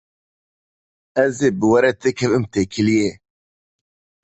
Ez ê bi we re têkevim têkiliyê.